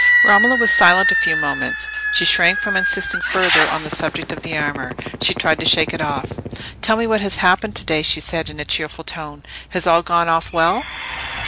Romola was silent a few moments. She shrank from insisting further on the subject of the armour. She tried to shake it off. "Tell me what has happened to day," she said, in a cheerful tone. "Has all gone off well?"